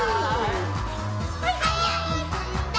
「はやいんだ」